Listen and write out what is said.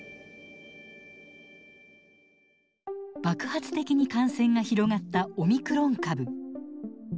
爆発的に感染が広がったオミクロン株。